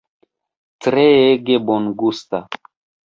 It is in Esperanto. Treege bongusta!